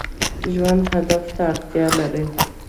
ژوند هدف ته اړتیا لري